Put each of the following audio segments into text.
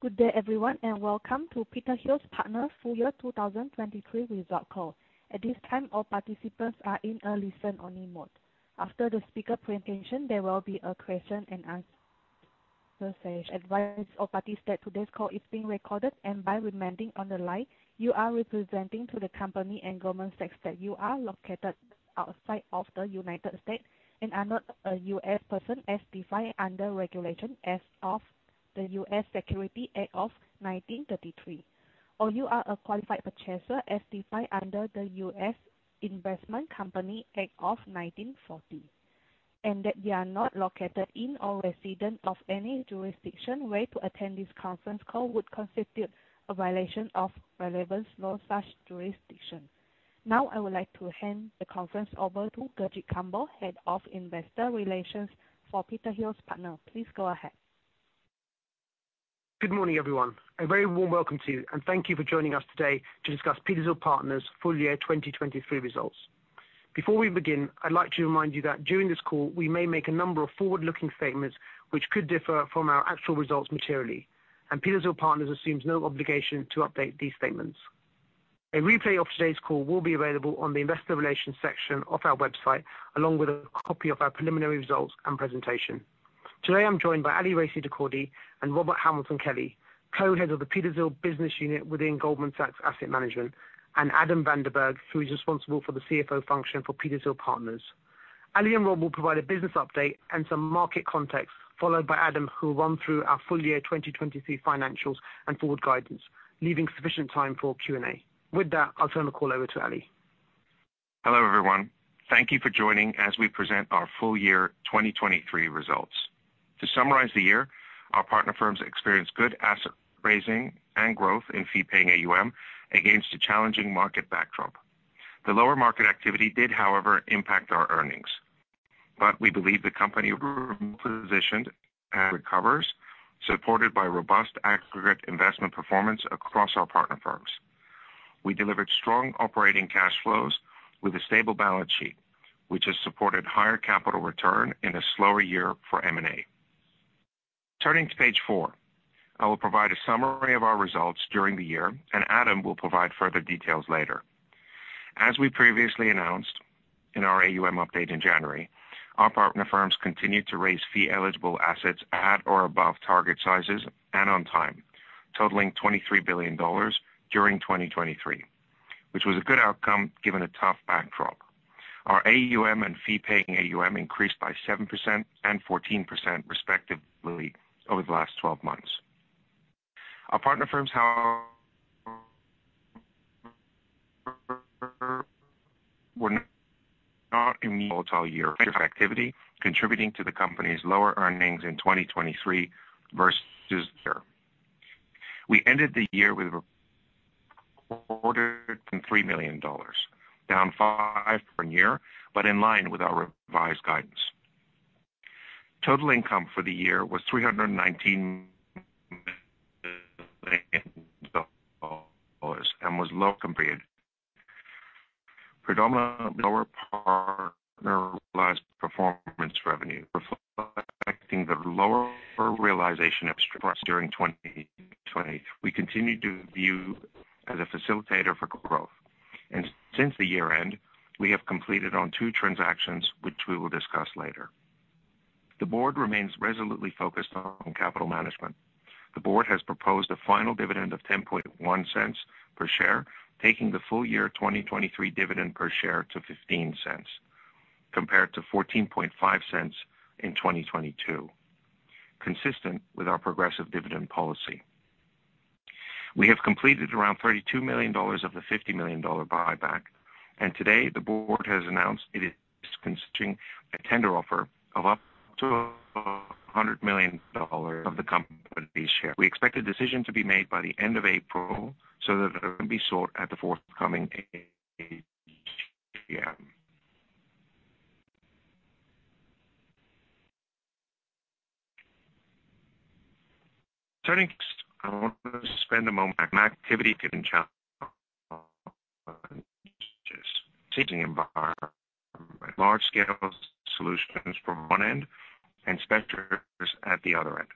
Good day, everyone, and welcome to Petershill Partners' full year 2023 result call. At this time, all participants are in a listen-only mode. After the speaker presentation, there will be a question-and-answer session. Advise all parties that today's call is being recorded. And by remaining on the line, you are representing to the company and government sector that you are located outside of the United States and are not a US person, as defined under Regulation S of the US Securities Act of 1933, or you are a qualified purchaser. As defined under the US Investment Company Act of 1940, and that you are not located in or resident of any jurisdiction, where to attend this conference call would constitute a violation of relevant laws such jurisdiction. Now, I would like to hand the conference over to Gurjit Kambo, Head of Investor Relations for Petershill Partners. Please go ahead. Good morning, everyone. A very warm welcome to you, and thank you for joining us today to discuss Petershill Partners' full year 2023 results. Before we begin, I'd like to remind you that during this call, we may make a number of forward-looking statements, which could differ from our actual results materially, and Petershill Partners assumes no obligation to update these statements. A replay of today's call will be available on the Investor Relations section of our website, along with a copy of our preliminary results and presentation. Today, I'm joined by Ali Raissi-Dehkordy and Robert Hamilton Kelly, Co-Head of the Petershill Business Unit within Goldman Sachs Asset Management, and Adam Van de Berghe, who is responsible for the CFO function for Petershill Partners. Ali and Rob will provide a business update and some market context, followed by Adam, who will run through our full year 2023 financials and forward guidance, leaving sufficient time for Q&A. With that, I'll turn the call over to Ali. Hello, everyone. Thank you for joining as we present our full year 2023 results. To summarize the year, our partner firms experienced good asset raising and growth in fee-paying AUM against a challenging market backdrop. The lower market activity did, however, impact our earnings, but we believe the company is positioned and recovers, supported by robust aggregate investment performance across our partner firms. We delivered strong operating cash flows with a stable balance sheet, which has supported higher capital return in a slower year for M&A. Turning to page 4, I will provide a summary of our results during the year, and Adam will provide further details later. As we previously announced in our AUM update in January, our partner firms continued to raise fee eligible assets at or above target sizes and on time, totaling $23 billion during 2023, which was a good outcome, given a tough backdrop. Our AUM and fee-paying AUM increased by 7% and 14%, respectively, over the last 12 months. Our partner firms, however, were not in the whole year activity, contributing to the company's lower earnings in 2023 versus year. We ended the year with fourth quarter FRE $3 million, down 5% year-over-year, but in line with our revised guidance. Total income for the year was $319 million and was low compared. Predominantly, lower partner realized performance revenue, reflecting the lower realization of carried interest during 2020. We continue to view as a facilitator for growth, and since the year-end, we have completed on two transactions, which we will discuss later. The board remains resolutely focused on capital management. The board has proposed a final dividend of $0.101 per share, taking the full year 2023 dividend per share to $0.15, compared to $0.145 in 2022, consistent with our progressive dividend policy. We have completed around $32 million of the $50 million buyback, and today the board has announced it is considering a tender offer of up to $100 million of the company's share. We expect a decision to be made by the end of April so that it can be sought at the forthcoming AGM. Turning, I want to spend a moment on activity given challenges, current environment, large scale dislocations from one end and specters at the other end.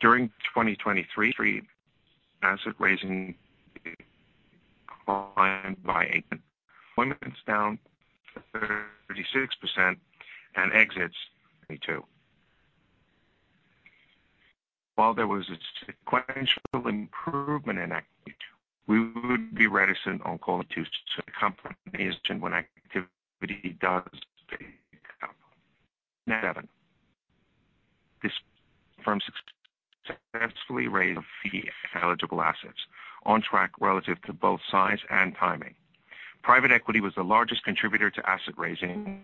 During 2023, asset raising declined by 8%, deployments down 36% and exits 22%. While there was a sequential improvement in activity, we would be reticent to call the bottom when activity does pick up. STG, this firm successfully raised fee eligible assets on track relative to both size and timing. Private equity was the largest contributor to asset raising,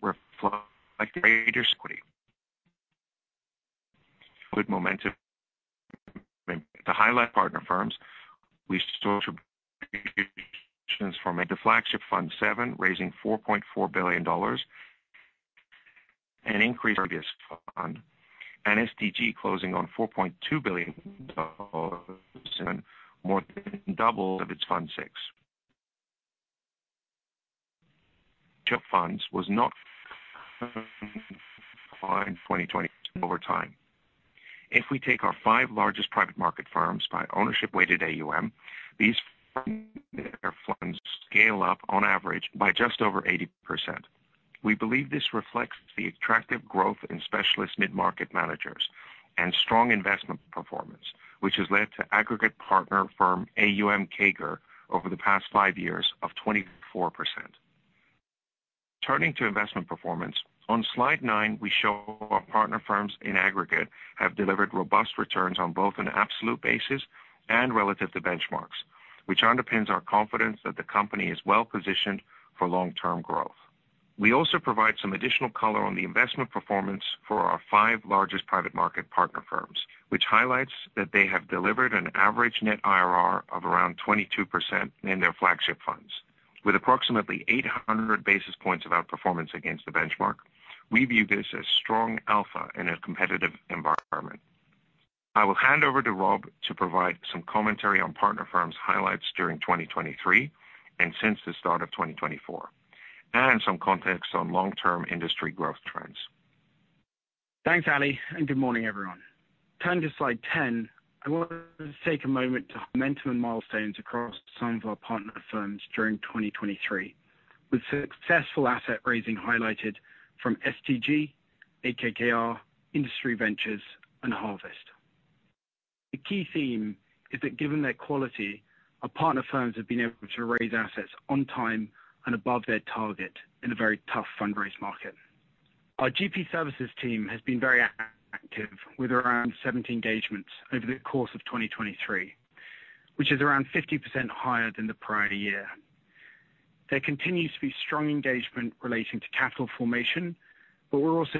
reflecting greater activity. Good momentum. To highlight partner firms, we saw contributions from the flagship Fund VII, raising $4.4 billion, an increase in this fund, and STG closing on $4.2 billion, more than double of its Fund VI. Funds was not in 2020 over time. If we take our five largest private market firms by ownership weighted AUM, these funds scale up on average by just over 80%. We believe this reflects the attractive growth in specialist mid-market managers and strong investment performance, which has led to aggregate partner firm AUM CAGR over the past five years of 24%. Turning to investment performance, on slide 9, we show our partner firms in aggregate have delivered robust returns on both an absolute basis and relative to benchmarks, which underpins our confidence that the company is well-positioned for long-term growth. We also provide some additional color on the investment performance for our five largest private market partner firms, which highlights that they have delivered an average net IRR of around 22% in their flagship funds, with approximately 800 basis points of outperformance against the benchmark. We view this as strong alpha in a competitive environment. I will hand over to Rob to provide some commentary on partner firms highlights during 2023, and since the start of 2024, and some context on long-term industry growth trends. Thanks, Ali, and good morning, everyone. Turning to slide 10, I want to take a moment to momentum and milestones across some of our partner firms during 2023, with successful asset raising highlighted from STG, AKKR, Industry Ventures and Harvest. The key theme is that given their quality, our partner firms have been able to raise assets on time and above their target in a very tough fundraise market. Our GP services team has been very active, with around 70 engagements over the course of 2023, which is around 50% higher than the prior year. There continues to be strong engagement relating to capital formation, but we're also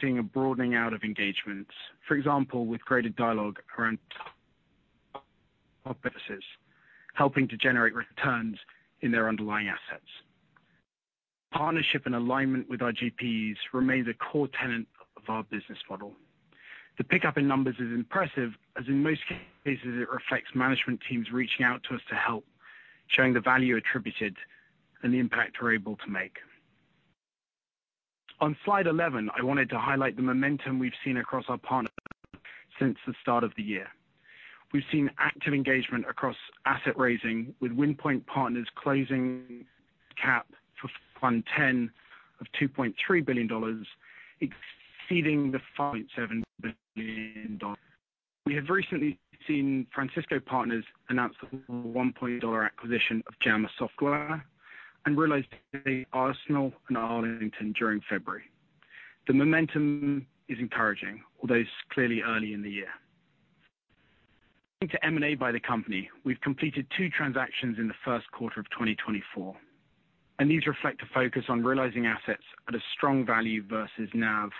seeing a broadening out of engagements, for example, with greater dialogue around offices, helping to generate returns in their underlying assets. Partnership and alignment with our GPs remains a core tenet of our business model. The pickup in numbers is impressive, as in most cases, it reflects management teams reaching out to us to help, showing the value attributed and the impact we're able to make. On slide 11, I wanted to highlight the momentum we've seen across our partners since the start of the year. We've seen active engagement across asset raising, with Wind Point Partners closing cap for Fund X of $2.3 billion, exceeding the $5.7 billion dollars. We have recently seen Francisco Partners announce a $1.2 billion acquisition of Jama Software and realized the Arsenal and Arlington during February. The momentum is encouraging, although it's clearly early in the year. To M&A by the company, we've completed two transactions in the first quarter of 2024, and these reflect a focus on realizing assets at a strong value versus NAV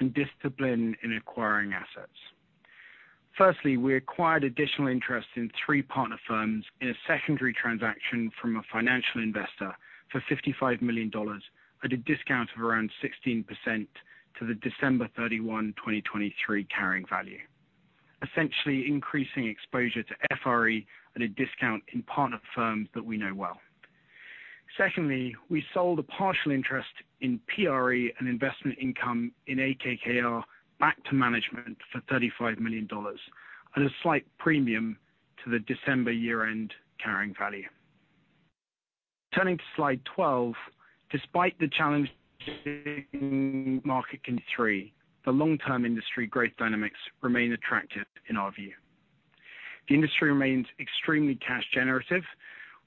and discipline in acquiring assets. Firstly, we acquired additional interest in three partner firms in a secondary transaction from a financial investor for $55 million at a discount of around 16% to the 31 December 2023, carrying value, essentially increasing exposure to FRE at a discount in partner firms that we know well. Secondly, we sold a partial interest in PRE and investment income in AKKR back to management for $35 million at a slight premium to the December year-end carrying value. Turning to slide 12, despite the challenging market in 2023, the long-term industry growth dynamics remain attractive, in our view. The industry remains extremely cash generative,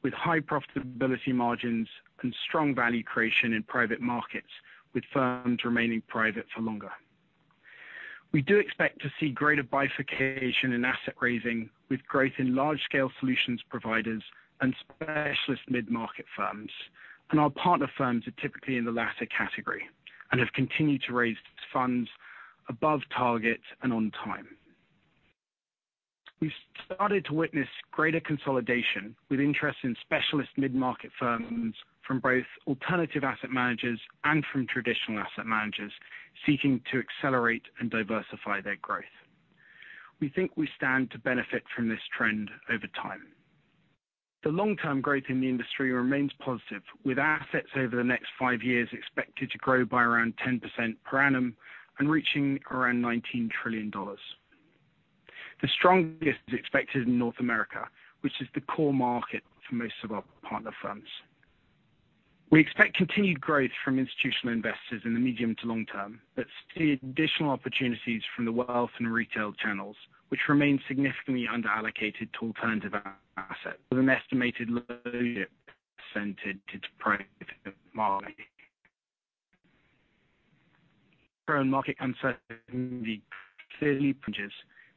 with high profitability margins and strong value creation in private markets, with firms remaining private for longer. We do expect to see greater bifurcation in asset raising, with growth in large-scale solutions providers and specialist mid-market firms. Our partner firms are typically in the latter category and have continued to raise funds above target and on time. We've started to witness greater consolidation with interest in specialist mid-market firms from both alternative asset managers and from traditional asset managers seeking to accelerate and diversify their growth. We think we stand to benefit from this trend over time. The long-term growth in the industry remains positive, with assets over the next five years expected to grow by around 10% per annum and reaching around $19 trillion. The strongest is expected in North America, which is the core market for most of our partner firms. We expect continued growth from institutional investors in the medium to long term, but see additional opportunities from the wealth and retail channels, which remain significantly underallocated to alternative assets, with an estimated low percentage to private market. Current market uncertainty clearly bridges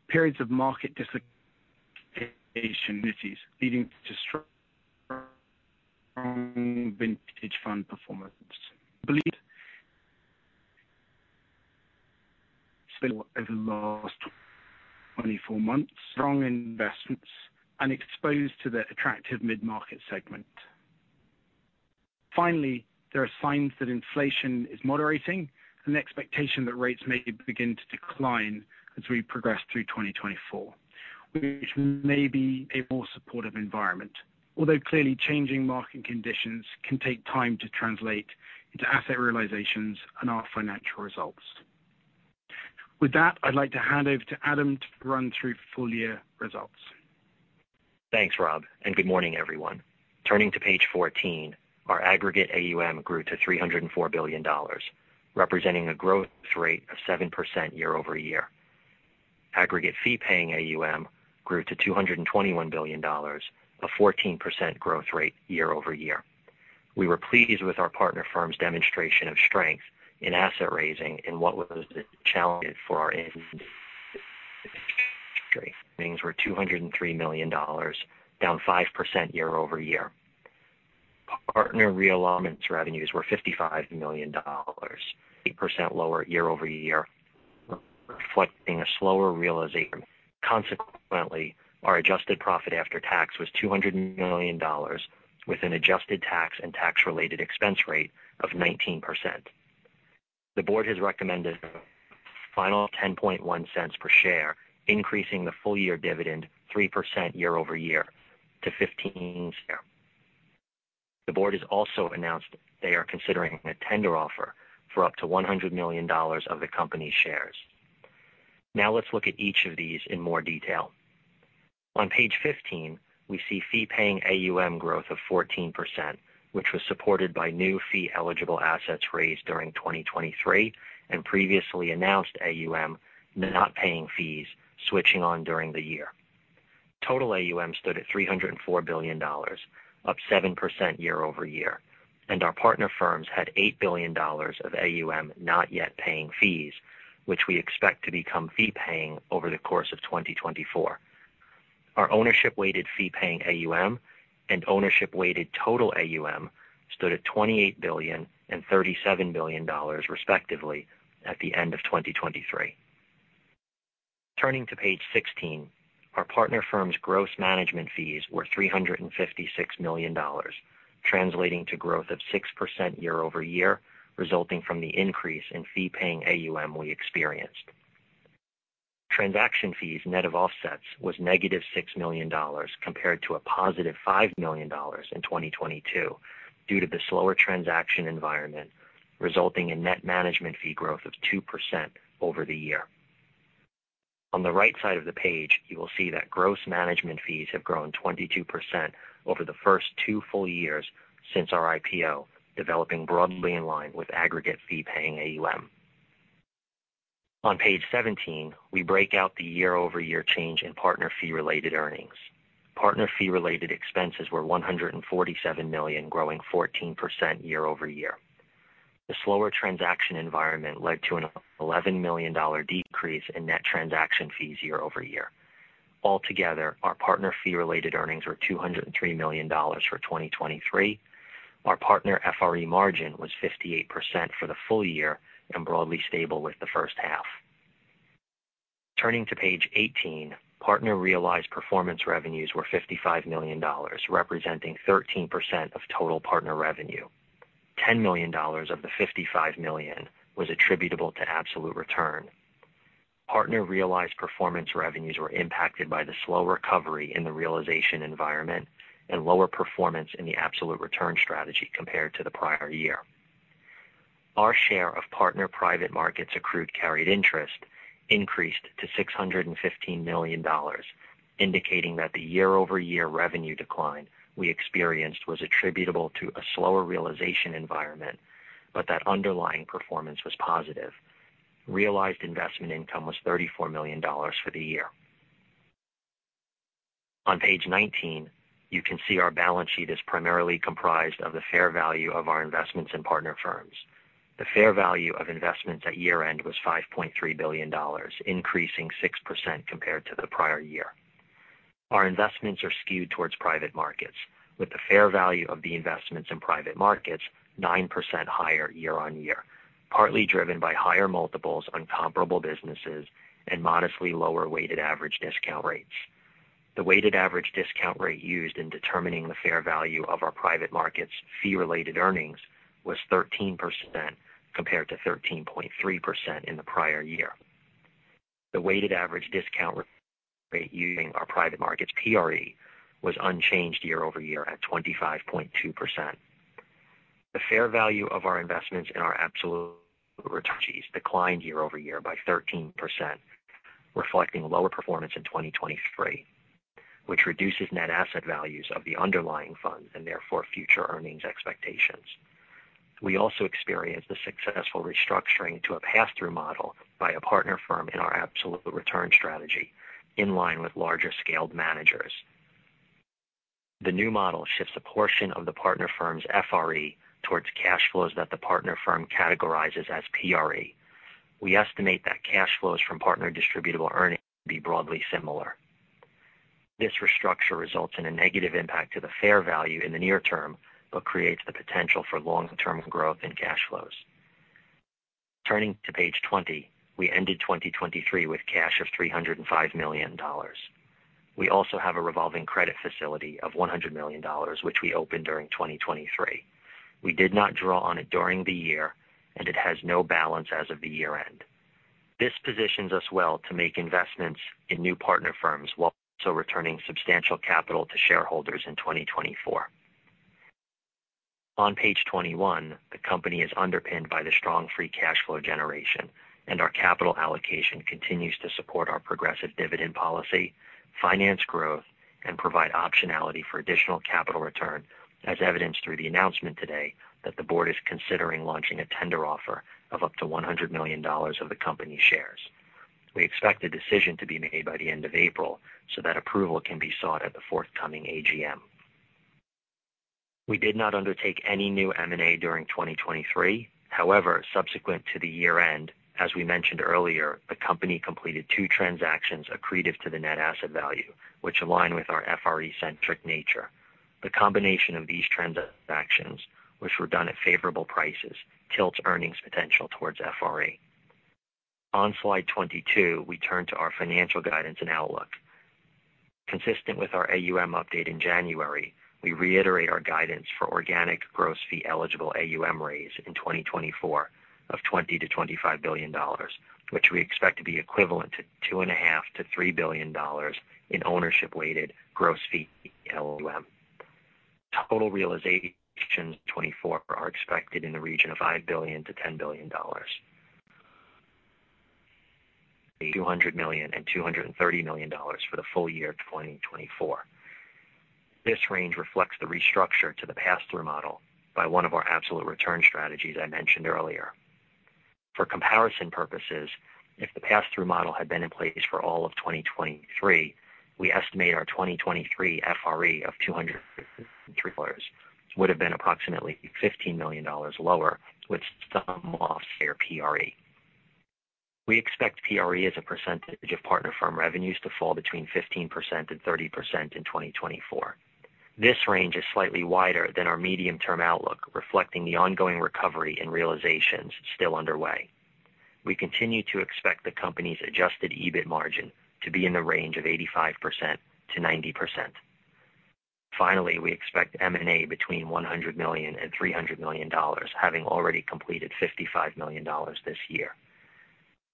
periods of market dislocation, leading to strong vintage fund performance. Believe over the last 24 months, strong investments and exposed to the attractive mid-market segment. Finally, there are signs that inflation is moderating and the expectation that rates may begin to decline as we progress through 2024, which may be a more supportive environment. Although clearly changing market conditions can take time to translate into asset realizations and our financial results. With that, I'd like to hand over to Adam to run through full year results. Thanks, Rob, and good morning, everyone. Turning to page 14, our aggregate AUM grew to $304 billion, representing a growth rate of 7% year-over-year. Aggregate fee-paying AUM grew to $221 billion, a 14% growth rate year-over-year. We were pleased with our partner firms' demonstration of strength in asset raising in what was a challenging for our industry. Earnings were $203 million, down 5% year-over-year. Partner realized performance revenues were $55 million, 8% lower year-over-year, reflecting a slower realization. Consequently, our adjusted profit after tax was $200 million, with an adjusted tax and tax-related expense rate of 19%. The board has recommended final $0.101 per share, increasing the full year dividend 3% year-over-year to 15 share. The board has also announced they are considering a tender offer for up to $100 million of the company's shares. Now let's look at each of these in more detail. On page 15, we see fee-paying AUM growth of 14%, which was supported by new fee-eligible assets raised during 2023 and previously announced AUM not paying fees switching on during the year. Total AUM stood at $304 billion, up 7% year-over-year, and our partner firms had $8 billion of AUM not yet paying fees, which we expect to become fee paying over the course of 2024. Our ownership-weighted fee-paying AUM and ownership-weighted total AUM stood at $28 billion and $37 billion, respectively, at the end of 2023. Turning to page 16, our partner firms' gross management fees were $356 million, translating to growth of 6% year-over-year, resulting from the increase in fee-paying AUM we experienced. Transaction fees, net of offsets, was negative $6 million, compared to a positive $5 million in 2022, due to the slower transaction environment, resulting in net management fee growth of 2% over the year. On the right side of the page, you will see that gross management fees have grown 22% over the first two full years since our IPO, developing broadly in line with aggregate fee-paying AUM. On page 17, we break out the year-over-year change in partner fee-related earnings. Partner fee-related expenses were $147 million, growing 14% year-over-year. The slower transaction environment led to a $11 million decrease in net transaction fees year-over-year. Altogether, our partner fee-related earnings were $203 million for 2023. Our partner FRE margin was 58% for the full year and broadly stable with the first half. Turning to page 18, partner realized performance revenues were $55 million, representing 13% of total partner revenue. $10 million of the $55 million was attributable to absolute return. Partner realized performance revenues were impacted by the slow recovery in the realization environment and lower performance in the absolute return strategy compared to the prior year. Our share of partner private markets accrued carried interest increased to $615 million, indicating that the year-over-year revenue decline we experienced was attributable to a slower realization environment, but that underlying performance was positive. Realized investment income was $34 million for the year. On page 19, you can see our balance sheet is primarily comprised of the fair value of our investments in partner firms. The fair value of investments at year-end was $5.3 billion, increasing 6% compared to the prior year. Our investments are skewed towards private markets, with the fair value of the investments in private markets 9% higher year-over-year, partly driven by higher multiples on comparable businesses and modestly lower weighted average discount rates. The weighted average discount rate used in determining the fair value of our private markets' fee-related earnings was 13%, compared to 13.3% in the prior year. The weighted average discount rate using our private markets PRE was unchanged year-over-year at 25.2%. The fair value of our investments in our absolute return strategies declined year-over-year by 13%, reflecting lower performance in 2023, which reduces net asset values of the underlying funds and therefore future earnings expectations. We also experienced a successful restructuring to a pass-through model by a partner firm in our absolute return strategy, in line with larger scaled managers. The new model shifts a portion of the partner firm's FRE towards cash flows that the partner firm categorizes as PRE. We estimate that cash flows from partner distributable earnings will be broadly similar. This restructure results in a negative impact to the fair value in the near term, but creates the potential for long-term growth in cash flows. Turning to page 20, we ended 2023 with cash of $305 million. We also have a revolving credit facility of $100 million, which we opened during 2023. We did not draw on it during the year, and it has no balance as of the year-end. This positions us well to make investments in new partner firms while also returning substantial capital to shareholders in 2024. On page 21, the company is underpinned by the strong free cash flow generation, and our capital allocation continues to support our progressive dividend policy, finance growth, and provide optionality for additional capital return, as evidenced through the announcement today that the board is considering launching a tender offer of up to $100 million of the company's shares. We expect the decision to be made by the end of April so that approval can be sought at the forthcoming AGM. We did not undertake any new M&A during 2023. However, subsequent to the year-end, as we mentioned earlier, the company completed two transactions accretive to the net asset value, which align with our FRE-centric nature. The combination of these transactions, which were done at favorable prices, tilts earnings potential towards FRE. On slide 22, we turn to our financial guidance and outlook. Consistent with our AUM update in January, we reiterate our guidance for organic gross fee eligible AUM raise in 2024 of $20 to 25 billion, which we expect to be equivalent to $2.5 to 3 billion in ownership-weighted gross fee AUM. Total realizations 2024 are expected in the region of $5 to 10 billion. $200 to 230 million for the full year 2024. This range reflects the restructure to the pass-through model by one of our absolute return strategies I mentioned earlier. For comparison purposes, if the pass-through model had been in place for all of 2023, we estimate our 2023 FRE of $203 million would have been approximately $15 million lower, which somewhat offsets PRE. We expect PRE as a percentage of partner firm revenues to fall between 15% and 30% in 2024. This range is slightly wider than our medium-term outlook, reflecting the ongoing recovery and realizations still underway. We continue to expect the company's adjusted EBIT margin to be in the range of 85% to 90%. Finally, we expect M&A between $100 million and $300 million, having already completed $55 million this year.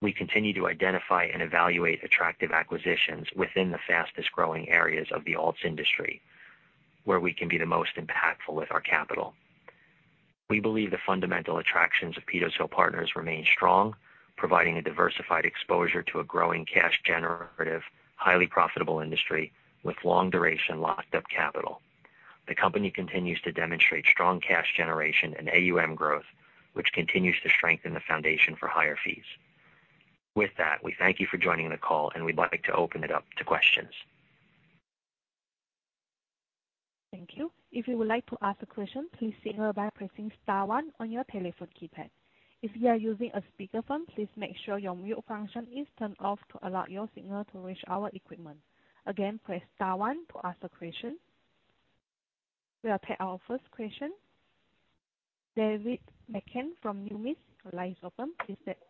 We continue to identify and evaluate attractive acquisitions within the fastest-growing areas of the alts industry, where we can be the most impactful with our capital. We believe the fundamental attractions of Petershill Partners remain strong, providing a diversified exposure to a growing cash generative, highly profitable industry with long duration locked up capital. The company continues to demonstrate strong cash generation and AUM growth, which continues to strengthen the foundation for higher fees. With that, we thank you for joining the call, and we'd like to open it up to questions. Thank you. If you would like to ask a question, please signal by pressing star one on your telephone keypad. If you are using a speakerphone, please make sure your mute function is turned off to allow your signal to reach our equipment. Again, press star one to ask a question. We'll take our first question. David McCann from Numis, your line is open. Please go ahead,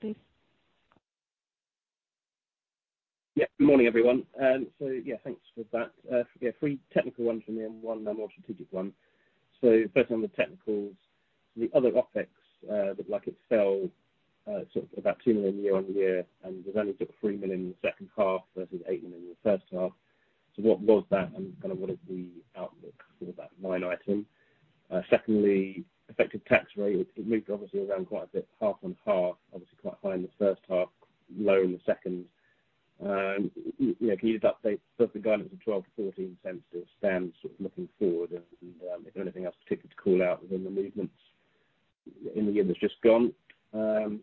please. Yeah, good morning, everyone. So yeah, thanks for that. Yeah, three technical ones from me and one, a more strategic one. So first on the technicals, the other OpEx looked like it fell sort of about $2 million year-over-year, and there's only took $3 million in the second half versus $8 million in the first half. So what was that and kind of what is the outlook for that line item? Secondly, effective tax rate, it moved obviously around quite a bit, half on half, obviously quite high in the first half, low in the second. You know, can you just update the guidance of $0.12-$0.14 to stand sort of looking forward, and, if anything else particular to call out within the movements in the year that's just gone? You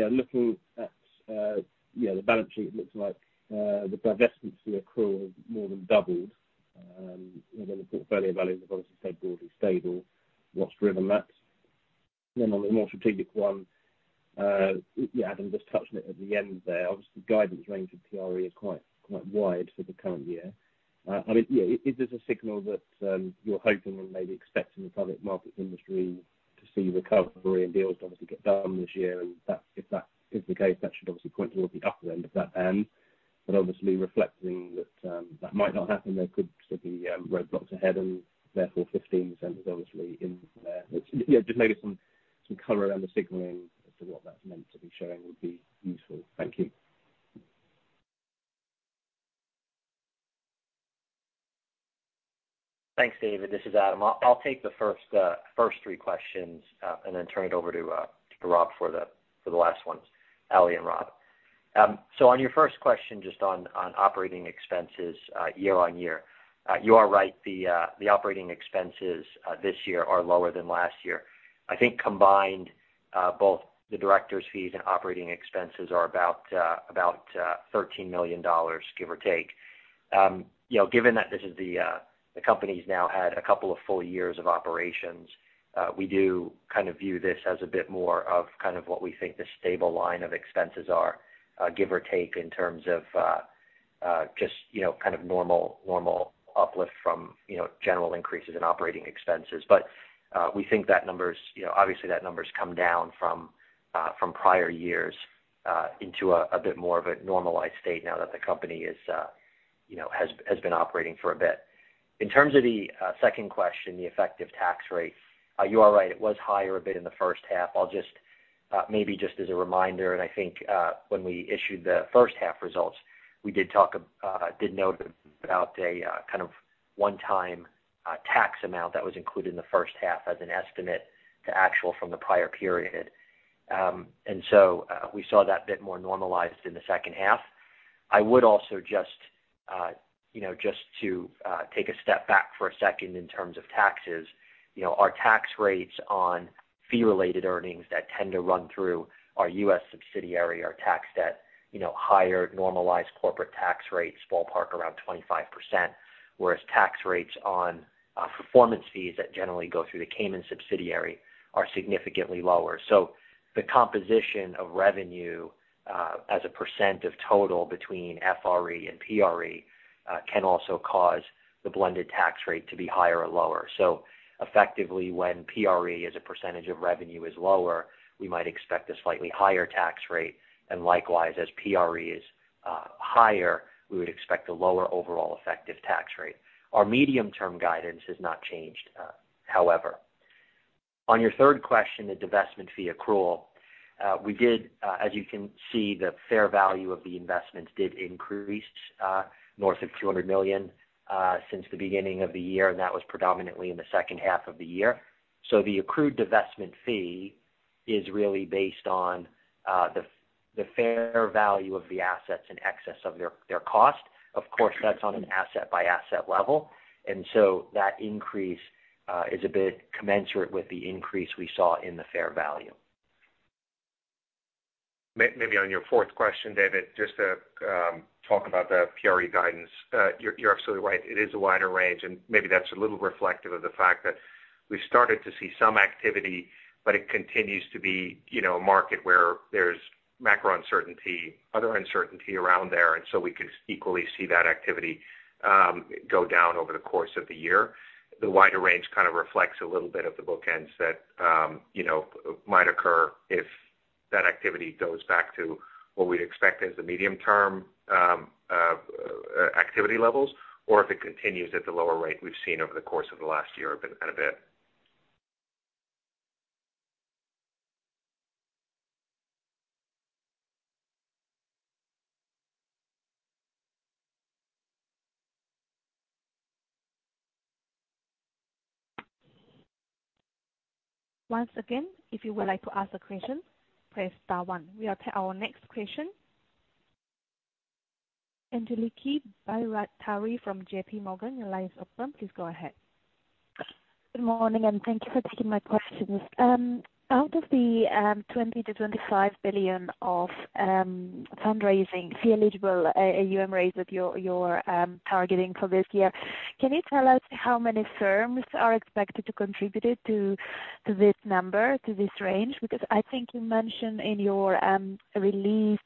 know, looking at you know, the balance sheet, looks like the divestment fee accrual has more than doubled, and then the portfolio value have obviously stayed broadly stable. What's driven that? Then on the more strategic one, yeah, Adam just touched on it at the end there. Obviously, the guidance range of PRE is quite, quite wide for the current year. I mean, yeah, is this a signal that you're hoping and maybe expecting the public markets industry to see recovery and deals obviously get done this year? And that if that is the case, that should obviously point towards the upper end of that band. But obviously reflecting that that might not happen, there could still be roadblocks ahead, and therefore, 15% is obviously in there. Yeah, just maybe some color around the signaling as to what that's meant to be showing would be useful. Thank you. Thanks, David. This is Adam. I'll take the first three questions, and then turn it over to Rob for the last ones. Ali and Rob. So on your first question, just on operating expenses, year-over-year, you are right, the operating expenses this year are lower than last year. I think combined, both the directors' fees and operating expenses are about $13 million, give or take. You know, given that this is the company's now had a couple of full years of operations, we do kind of view this as a bit more of kind of what we think the stable line of expenses are, give or take, in terms of, just, you know, kind of normal, normal uplift from, you know, general increases in operating expenses. But, we think that number's, you know, obviously, that number's come down from, from prior years, into a bit more of a normalized state now that the company is, you know, has been operating for a bit. In terms of the second question, the effective tax rate, you are right, it was higher a bit in the first half. I'll just... Maybe just as a reminder, and I think, when we issued the first half results, we did talk, did note about a kind of one-time tax amount that was included in the first half as an estimate to actual from the prior period. And so, we saw that bit more normalized in the second half. I would also just, you know, just to take a step back for a second in terms of taxes, you know, our tax rates on fee-related earnings that tend to run through our US subsidiary are taxed at, you know, higher normalized corporate tax rates ballpark around 25%, whereas tax rates on performance fees that generally go through the Cayman subsidiary are significantly lower. The composition of revenue, as a percent of total between FRE and PRE, can also cause the blended tax rate to be higher or lower. Effectively, when PRE, as a percentage of revenue, is lower, we might expect a slightly higher tax rate, and likewise, as PRE is higher, we would expect a lower overall effective tax rate. Our medium-term guidance has not changed, however. On your third question, the divestment fee accrual, we did, as you can see, the fair value of the investments did increase north of $200 million since the beginning of the year, and that was predominantly in the second half of the year. The accrued divestment fee is really based on the fair value of the assets in excess of their cost. Of course, that's on an asset-by-asset level, and so that increase is a bit commensurate with the increase we saw in the fair value. Maybe on your fourth question, David, just to talk about the PRE guidance. You're absolutely right, it is a wider range, and maybe that's a little reflective of the fact that we've started to see some activity, but it continues to be, you know, a market where there's macro uncertainty, other uncertainty around there, and so we could equally see that activity go down over the course of the year. The wider range kind of reflects a little bit of the bookends that, you know, might occur if that activity goes back to what we expect as the medium-term activity levels, or if it continues at the lower rate we've seen over the course of the last year, but kind of it. Once again, if you would like to ask a question, press star one. We'll take our next question. Angeliki Bairaktari from J.P. Morgan, your line is open. Please go ahead. Good morning, and thank you for taking my questions. Out of the $20 to 25 billion of fundraising fee eligible AUM raise that you're targeting for this year, can you tell us how many firms are expected to contribute to this number, to this range? Because I think you mentioned in your release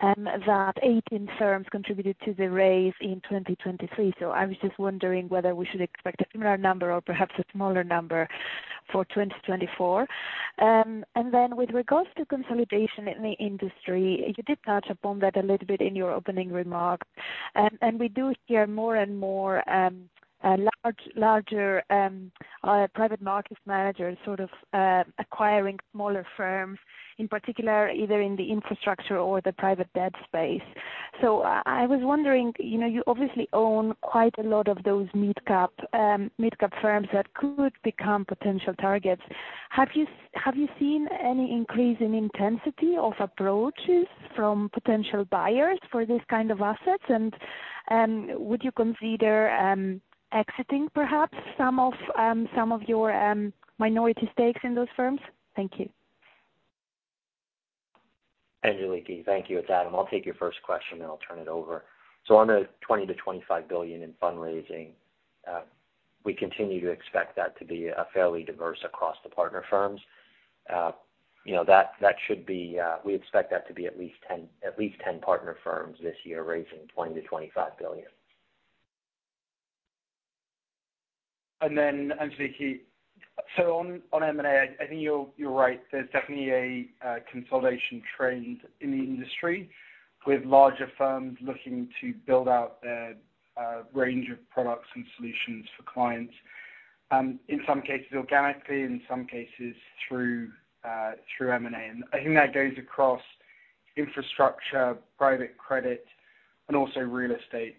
that 18 firms contributed to the raise in 2023. So I was just wondering whether we should expect a similar number or perhaps a smaller number for 2024. And then with regards to consolidation in the industry, you did touch upon that a little bit in your opening remarks. And we do hear more and more large larger private market managers sort of acquiring smaller firms, in particular, either in the infrastructure or the private debt space. So I was wondering, you know, you obviously own quite a lot of those midcap, midcap firms that could become potential targets. Have you seen any increase in intensity of approaches from potential buyers for this kind of assets? And, would you consider exiting perhaps some of, some of your, minority stakes in those firms? Thank you. Angeliki, thank you. It's Adam, I'll take your first question, and I'll turn it over. So on the $20 to 25 billion in fundraising, we continue to expect that to be fairly diverse across the partner firms. You know, that, that should be, we expect that to be at least 10, at least 10 partner firms this year, raising $20 to 25 billion. And then, Angeliki, so on M&A, I think you're right. There's definitely a consolidation trend in the industry, with larger firms looking to build out their range of products and solutions for clients. In some cases, organically, in some cases through M&A. And I think that goes across infrastructure, private credit, and also real estate,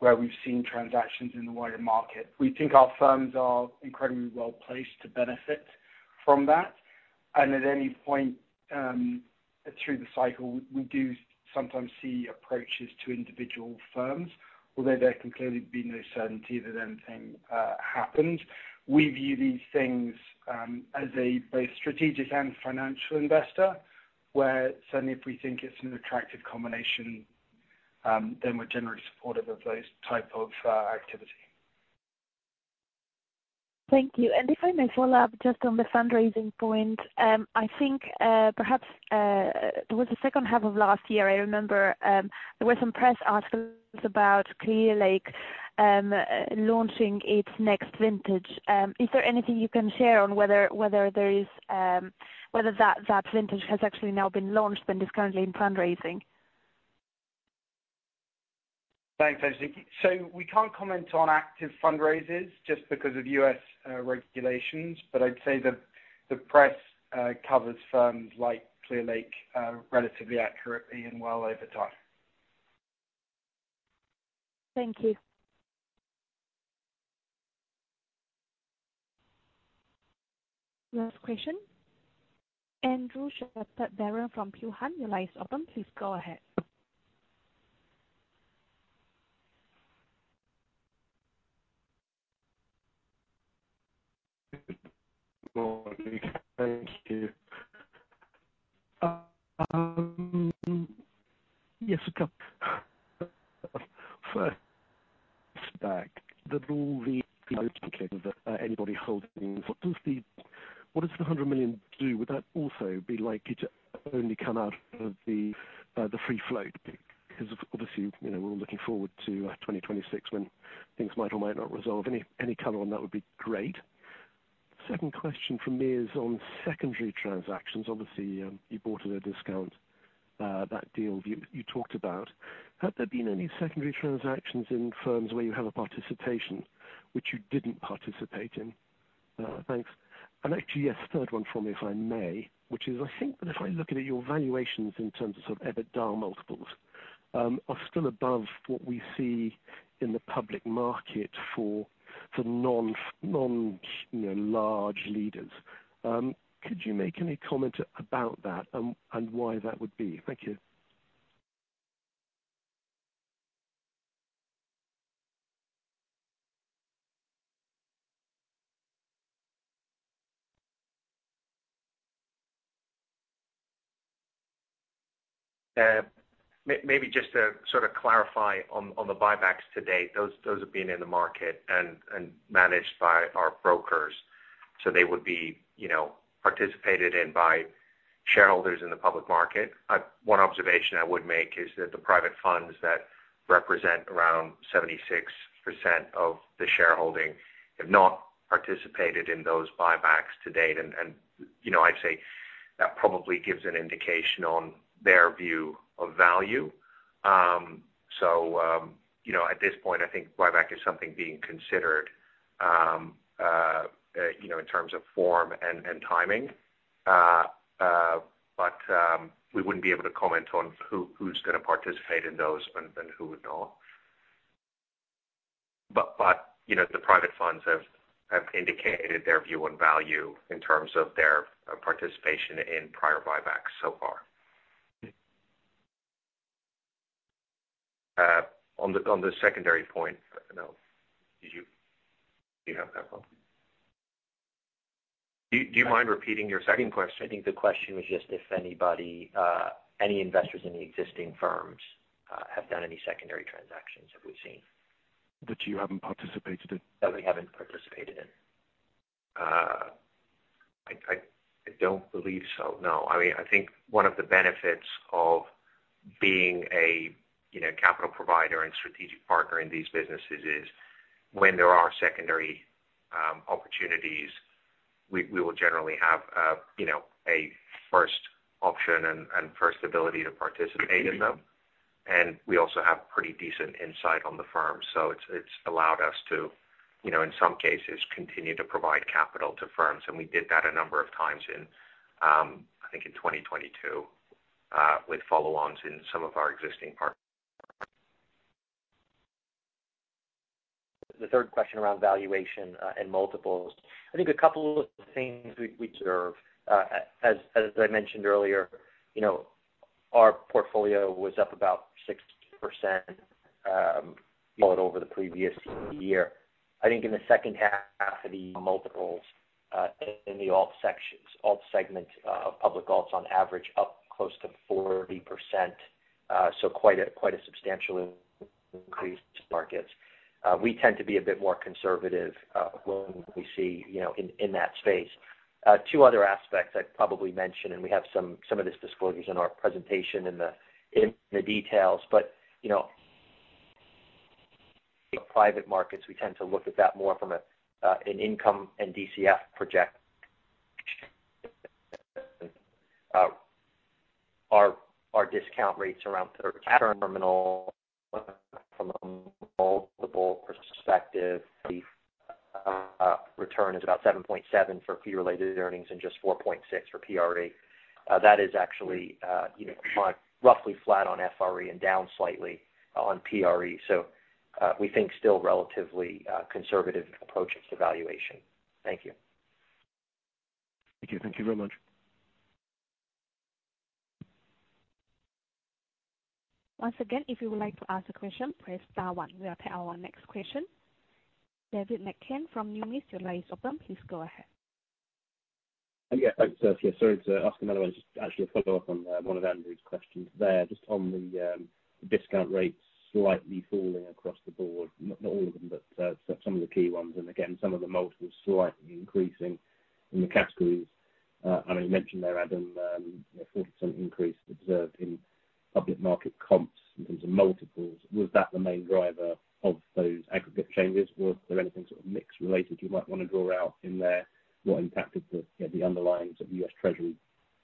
where we've seen transactions in the wider market. We think our firms are incredibly well placed to benefit from that, and at any point through the cycle, we do sometimes see approaches to individual firms, although there can clearly be no certainty that anything happens. We view these things as a both strategic and financial investor, where certainly if we think it's an attractive combination, then we're generally supportive of those type of activity. Thank you. And if I may follow up just on the fundraising point, I think, perhaps, towards the second half of last year, I remember, there were some press articles about Clearlake, launching its next vintage. Is there anything you can share on whether that vintage has actually now been launched and is currently in fundraising? Thanks, Angie. So we can't comment on active fundraisers just because of US regulations, but I'd say that the press covers firms like Clearlake relatively accurately and well over time. Thank you. Last question, Andrew Shepherd-Barron from Peel Hunt. Your line is open, please go ahead. Good morning. Thank you. Yes, so first back, the rule, the anybody holding, what does the, what does the $100 million do? Would that also be likely to only come out of the, the free float? Because obviously, you know, we're all looking forward to 2026 when things might or might not resolve. Any, any color on that would be great. Second question from me is on secondary transactions. Obviously, you bought at a discount, that deal you, you talked about. Have there been any secondary transactions in firms where you have a participation which you didn't participate in? Thanks. And actually, yes, third one for me, if I may, which is, I think that if I look at your valuations in terms of sort of EBITDA multiples, are still above what we see in the public market for non-, you know, large leaders. Could you make any comment about that and why that would be? Thank you. Maybe just to sort of clarify on the buybacks to date, those have been in the market and managed by our brokers. So they would be, you know, participated in by shareholders in the public market. One observation I would make is that the private funds that represent around 76% of the shareholding have not participated in those buybacks to date. And, you know, I'd say that probably gives an indication on their view of value. So, you know, at this point, I think buyback is something being considered, you know, in terms of form and timing. But we wouldn't be able to comment on who, who's gonna participate in those and who would not. But, you know, the private funds have indicated their view on value in terms of their participation in prior buybacks so far. On the secondary point, no. Do you have that one? Do you mind repeating your second question? I think the question was just if anybody, any investors in the existing firms, have done any secondary transactions, have we seen? That you haven't participated in. That we haven't participated in. I don't believe so, no. I mean, I think one of the benefits of being a, you know, capital provider and strategic partner in these businesses is when there are secondary opportunities, we will generally have, you know, a first option and first ability to participate in them. And we also have pretty decent insight on the firms. So it's allowed us to, you know, in some cases, continue to provide capital to firms, and we did that a number of times in, I think in 2022, with follow-ons in some of our existing partners. The third question around valuation, and multiples. I think a couple of things we, we observe. As, as I mentioned earlier, you know, our portfolio was up about 60%, over the previous year. I think in the second half of the multiples, in the alt sections, alt segment, public alts on average, up close to 40%. So quite a, quite a substantial increase in markets. We tend to be a bit more conservative, when we see, you know, in, in that space. Two other aspects I'd probably mention, and we have some, some of these disclosures in our presentation in the, in the details, but, you know, private markets, we tend to look at that more from a, an income and DCF project. Our discount rates around terminal from a multiple perspective, return is about 7.7 for fee-related earnings and just 4.6 for PRE. That is actually, you know, roughly flat on FRE and down slightly on PRE. So, we think still relatively conservative approach to valuation. Thank you. Thank you. Thank you very much. Once again, if you would like to ask a question, press star one. We'll take our next question. David McCann from Numis. Your line is open. Please go ahead. Yeah, thanks, Sophia. Sorry to ask another one. Just actually a follow-up on one of Andrew's questions there. Just on the discount rates slightly falling across the board, not all of them, but so some of the key ones, and again, some of the multiples slightly increasing in the categories. I know you mentioned there, Adam, a 40% increase observed in public market comps in terms of multiples. Was that the main driver of those aggregate changes, or was there anything sort of mix related you might want to draw out in there? What impacted the underlying sort of US Treasury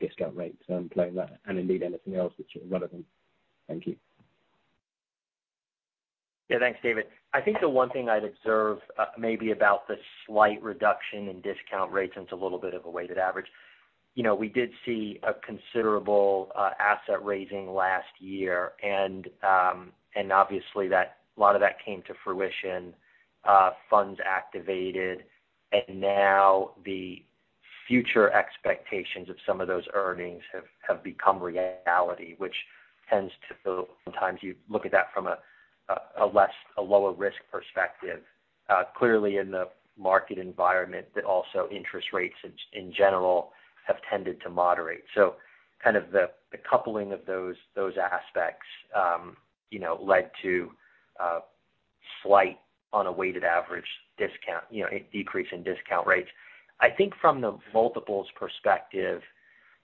discount rates and playing that, and indeed anything else which is relevant. Thank you. Yeah, thanks, David. I think the one thing I'd observe, maybe about the slight reduction in discount rates, it's a little bit of a weighted average. You know, we did see a considerable asset raising last year, and obviously that - a lot of that came to fruition, funds activated, and now the future expectations of some of those earnings have become reality, which tends to feel sometimes you look at that from a less, a lower risk perspective. Clearly in the market environment, but also interest rates in general have tended to moderate. So kind of the coupling of those aspects, you know, led to slight on a weighted average discount, you know, a decrease in discount rates. I think from the multiples perspective,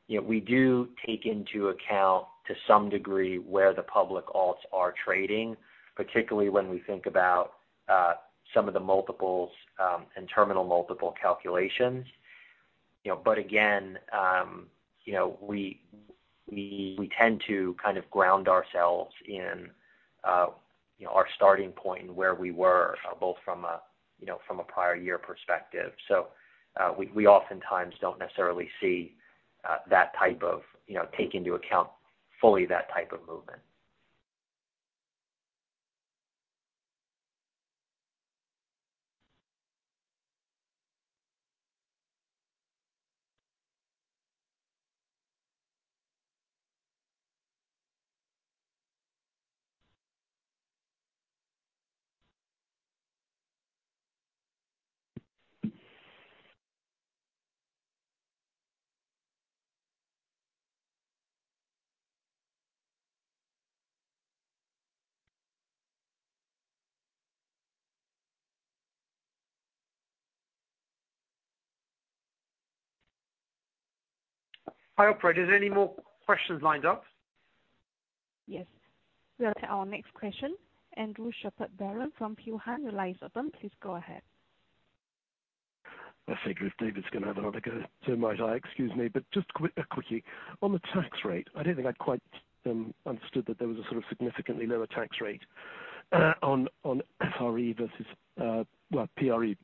you know, we do take into account, to some degree, where the public alts are trading, particularly when we think about, some of the multiples, and terminal multiple calculations. You know, but again, you know, we tend to kind of ground ourselves in, you know, our starting point and where we were, both from a, you know, from a prior year perspective. So, we oftentimes don't necessarily see, that type of, you know, take into account fully that type of movement. Hi, operator. Is there any more questions lined up? Yes. We'll have our next question. Andrew Shepherd-Barron from Peel Hunt, your line is open. Please go ahead. I figure if David's gonna have another go, so might I. Excuse me, but just quickly, on the tax rate, I don't think I quite understood that there was a sort of significantly lower tax rate on FRE versus PRE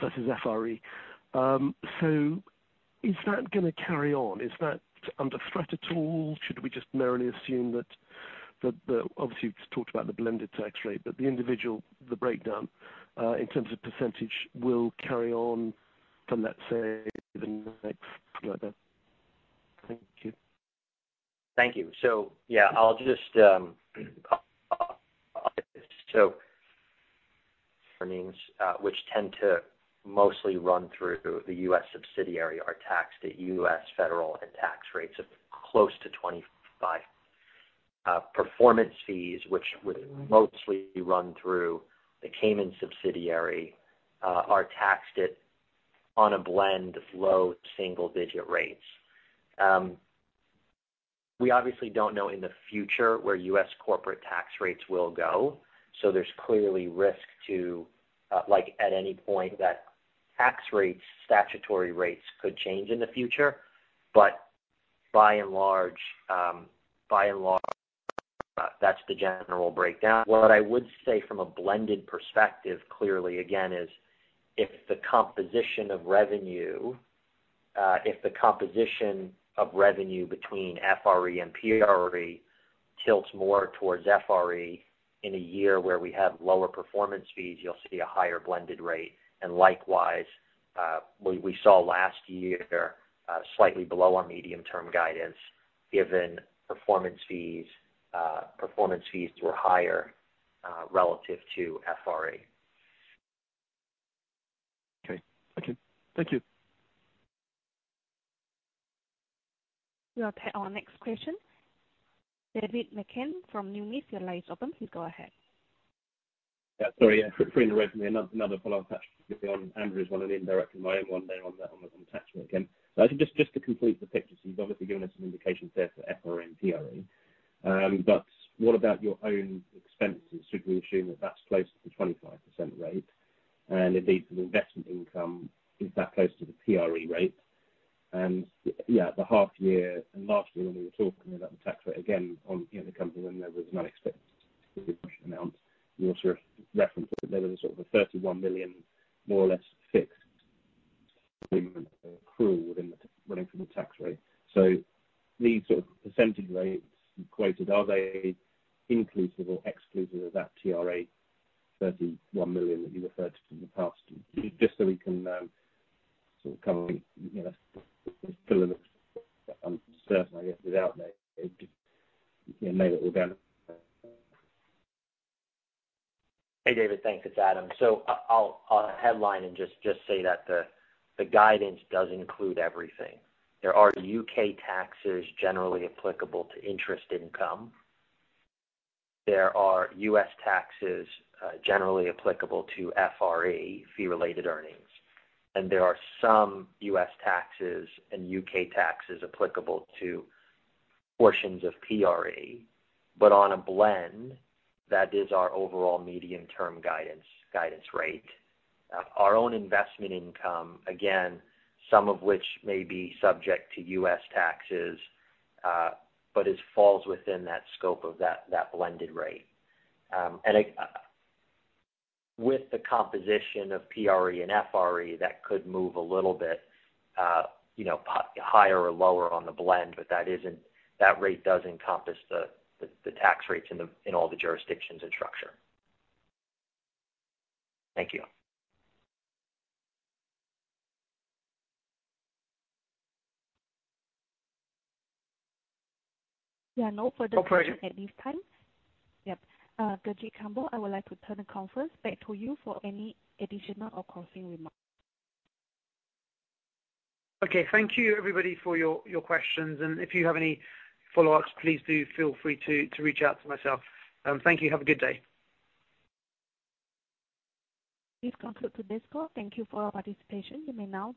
versus FRE. So is that gonna carry on? Is that under threat at all? Should we just narrowly assume that the... Obviously, you've talked about the blended tax rate, but the individual breakdown in terms of percentage will carry on from, let's say, the next quarter? Thank you. Thank you. So, yeah, I'll just, so earnings, which tend to mostly run through the US subsidiary, are taxed at US federal and state tax rates of close to 25%. Performance fees, which would mostly run through the Cayman subsidiary, are taxed at on a blend of low single-digit rates. We obviously don't know in the future where US corporate tax rates will go, so there's clearly risk to, like at any point, that tax rates, statutory rates, could change in the future. But by and large, by and large, that's the general breakdown. What I would say from a blended perspective, clearly, again, is if the composition of revenue, if the composition of revenue between FRE and PRE tilts more towards FRE in a year where we have lower performance fees, you'll see a higher blended rate. Likewise, we saw last year slightly below our medium-term guidance, given performance fees were higher relative to FRE. Okay. Thank you. Thank you. We'll take our next question. David McCann from New York, your line is open. Please go ahead. Yeah, sorry, resuming another follow-up actually on Andrew's one and indirectly my one there on the tax rate again. So I think just to complete the picture, so you've obviously given us an indication there for FRE and PRE. But what about your own expenses? Should we assume that that's closer to 25% rate? And indeed, for the investment income, is that close to the PRE rate? And, yeah, the half year and last year, when we were talking about the tax rate again on, you know, the company when there was an unexpected amount, you also referenced that there was sort of a $31 million, more or less, fixed accrual within the running from the tax rate. So these sort of percentage rates you quoted, are they inclusive or exclusive of that PRE $31 million that you referred to in the past? Just so we can, sort of come, you know, fill in the uncertain, I guess, without it, you know, make it all down. Hey, David. Thanks. It's Adam. So I'll headline and just say that the guidance does include everything. There are U.K. taxes generally applicable to interest income. There are US taxes generally applicable to FRE, fee-related earnings, and there are some US taxes and U.K. taxes applicable to portions of PRE. But on a blend, that is our overall medium-term guidance rate. Our own investment income, again, some of which may be subject to US taxes, but it falls within that scope of that blended rate. And with the composition of PRE and FRE, that could move a little bit, you know, higher or lower on the blend, but that rate does encompass the tax rates in all the jurisdictions and structure. Thank you. There are no further questions at this time. Yep. Gurjit Kambo, I would like to turn the conference back to you for any additional or closing remarks. Okay, thank you, everybody, for your questions, and if you have any follow-ups, please do feel free to reach out to myself. Thank you. Have a good day. We've concluded this call. Thank you for your participation. You may now disconnect.